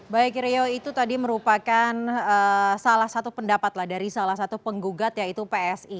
baik rio itu tadi merupakan salah satu pendapat lah dari salah satu penggugat yaitu psi